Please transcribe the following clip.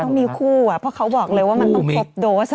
ต้องมีคู่เพราะเขาบอกเลยว่ามันต้องครบโดส